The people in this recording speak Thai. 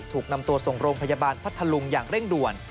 ถูกนำตัวส่งโรงพยาบาลพัทธลุงอย่างเร่งด่วน